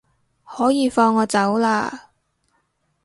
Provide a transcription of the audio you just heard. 可以放我走喇